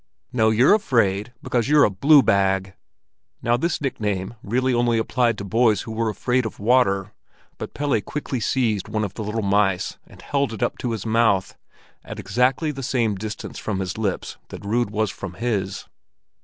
"No, you're afraid, because you're a blue bag!" Now this nickname really only applied to boys who were afraid of water, but Pelle quickly seized one of the little mice, and held it up to his mouth, at exactly the same distance from his lips that Rud was from his.